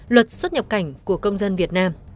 luật xuất nhập cảnh của công dân việt nam